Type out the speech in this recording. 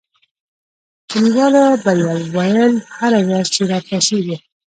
کلیوالو به ویل هره ورځ چې را پاڅېږو.